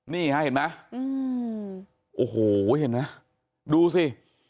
นี่ฮะเห็นไหมโอ้โหเห็นไหมดูสิ